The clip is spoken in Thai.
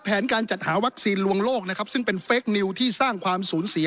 แผนการจัดหาวัคซีนลวงโลกนะครับซึ่งเป็นเฟคนิวที่สร้างความสูญเสีย